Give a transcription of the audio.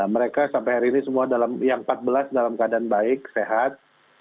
mereka sampai hari ini semua yang empat belas dalam keadaan baik sehat